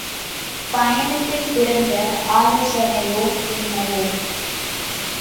பயத்தில் பிறந்த ஆசையோ என்னவோ?